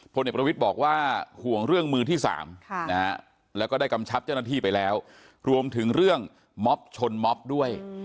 เด็กประวิทย์บอกว่าห่วงเรื่องมือที่๓แล้วก็ได้กำชับเจ้าหน้าที่ไปแล้วรวมถึงเรื่องม็อบชนม็อบด้วย